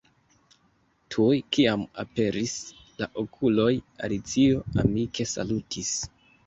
Tuj kiam aperis la okuloj, Alicio amike salutis.